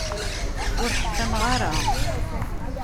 Ur ḥtammeɣ ara.